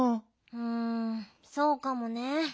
うんそうかもね。